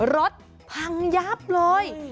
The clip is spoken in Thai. รถพังยับเลย